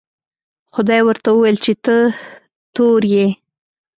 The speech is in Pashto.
خدای ورته وویل چې ته تور یې.